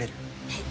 はい。